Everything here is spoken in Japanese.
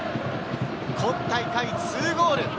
今大会２ゴール。